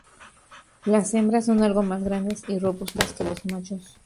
Las hembras son algo más grandes y robustas que los machos.